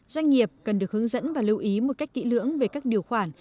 doanh nghiệp cần được hướng dẫn và lưu ý một cách kỹ lưỡng về các điều khoản